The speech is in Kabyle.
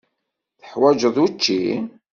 Teḥwaǧeḍ učči?